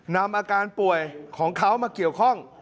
นำอาการป่วยของเขามาเกี่ยวข้อง